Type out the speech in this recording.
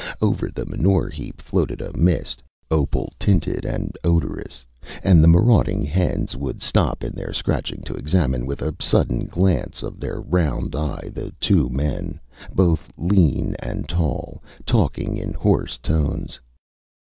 Over the manure heap floated a mist, opal tinted and odorous, and the marauding hens would stop in their scratching to examine with a sudden glance of their round eye the two men, both lean and tall, talking in hoarse tones.